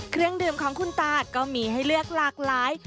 เครื่องดื่มของคุณตาก็มีให้เลือกหลากหลาย